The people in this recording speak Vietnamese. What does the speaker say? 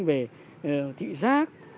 về thị giác